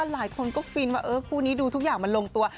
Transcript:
หลายคนก็ฟินว่าคู่นี้ดูทุกอย่างมันลงตัว